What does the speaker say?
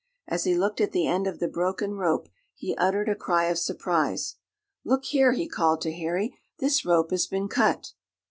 As he looked at the end of the broken rope he uttered a cry of surprise. "Look here!" he called to Harry, "this rope has been cut!"